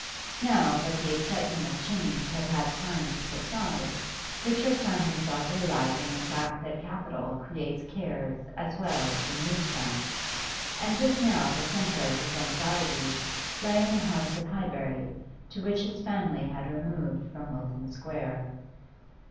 Now that the excitement of change had had time to subside, Richard found himself realising the fact that capital creates cares as well as removes them, and just now the centre of his anxieties lay in the house at Highbury to which his family had removed from Wilton Square.